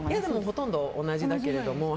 ほとんど同じだけれども。